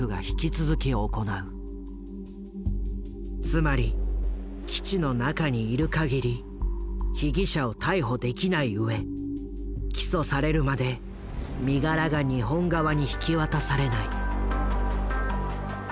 つまり基地の中にいる限り被疑者を逮捕できない上起訴されるまで身柄が日本側に引き渡されない。